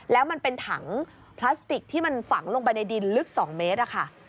แล้วมันเป็นถังพลาสติกที่มันฝังลงไปในดินลึก๒เมตรอะค่ะ